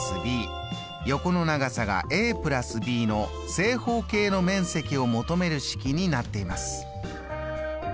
ｂ横の長さが＋ｂの正方形の面積を求める式になっています。